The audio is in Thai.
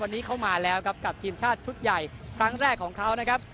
วันนี้เขามาแล้วครับกับทีมชาติชุดใหญ่ครั้งแรกของเขานะครับ